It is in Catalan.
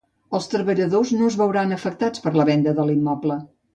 Els treballadors no es veuran afectats per la venda de l'immoble.